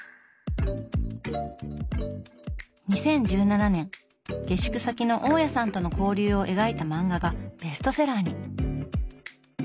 ２０１７年下宿先の大家さんとの交流を描いた漫画がベストセラーに。